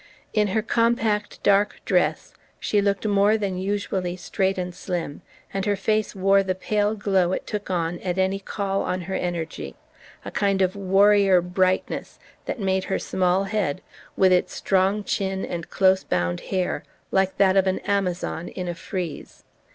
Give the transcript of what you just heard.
In her compact dark dress she looked more than usually straight and slim, and her face wore the pale glow it took on at any call on her energy: a kind of warrior brightness that made her small head, with its strong chin and close bound hair, like that of an amazon in a frieze.